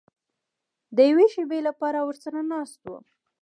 د یوې شېبې لپاره ورسره ناست وم.